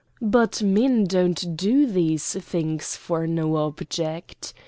But men don't do these things for no object.